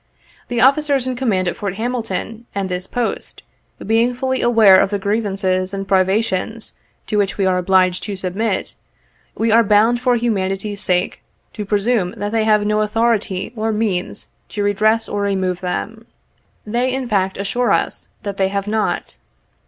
The officers in command at Fort Hamilton and this post, being fully aware of the grievances and privations to which we are obliged to submit, we are bound for humanity's sake, to presume that they have no authority or means to redress or remove them. They in fact, assure us that they have not.